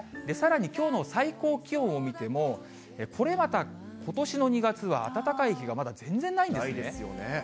さらにきょうの最高気温を見ても、これまたことしの２月は暖かい日がまだ全然ないんですね。